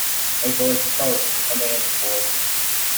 A voice spoke — a man's voice.